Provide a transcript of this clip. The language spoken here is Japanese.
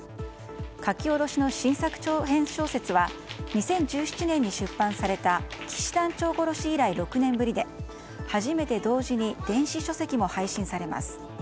書き下ろしの新作長編小説は２０１７年に出版された「騎士団長殺し」以来６年ぶりで初めて同時に電子書籍も配信されます。